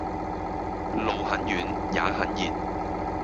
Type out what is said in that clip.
路很遠也很熱